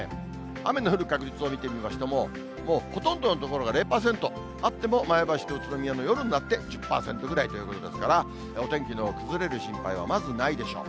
雨の降る確率を見てみましても、もうほとんどの所が０％、あっても前橋と宇都宮の、夜になって１０％ぐらいということですから、お天気の崩れる心配はまずないでしょう。